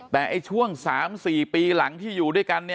แต่ช่วง๓๔ปีหลังที่อยู่ด้วยกัน